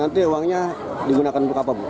nanti uangnya digunakan